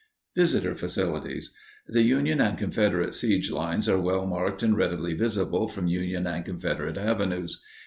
Visitor Facilities The Union and Confederate siege lines are well marked and readily visible from Union and Confederate Avenues.